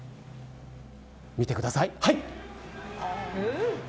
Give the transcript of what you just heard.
見てください。